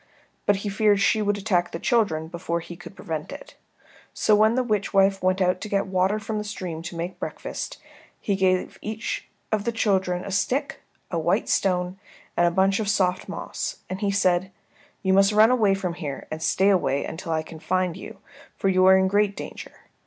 But he feared she would attack the children before he could prevent it. So when the witch wife went out to get water from the stream to make breakfast, he gave each of the children a stick, a white stone, and a bunch of soft moss, and he said, "You must run away from here and stay away until I can find you, for you are in great danger.